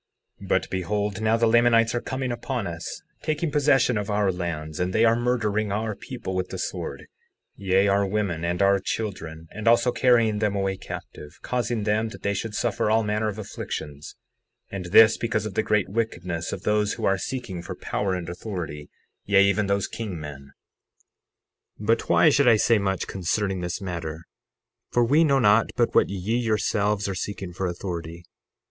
60:17 But behold, now the Lamanites are coming upon us, taking possession of our lands, and they are murdering our people with the sword, yea, our women and our children, and also carrying them away captive, causing them that they should suffer all manner of afflictions, and this because of the great wickedness of those who are seeking for power and authority, yea, even those king men. 60:18 But why should I say much concerning this matter? For we know not but what ye yourselves are seeking for authority.